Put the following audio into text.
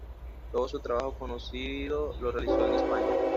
Todo su trabajo conocido lo realizó en España.